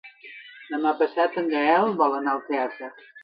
Demà passat en Gaël vol anar al teatre.